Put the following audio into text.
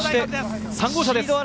３号車です。